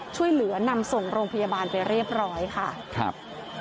ช่วยเหลือนำส่งโรงพยาบาลไปเรียบร้อยค่ะครับ